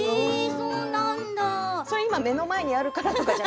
それ、今目の前にあるからとかじゃ。